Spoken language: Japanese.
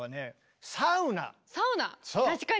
サウナ確かに！